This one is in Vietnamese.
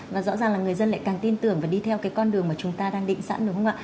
và rõ ràng là người dân lại càng tin tưởng và đi theo cái con đường mà chúng ta đang định sẵn đúng không ạ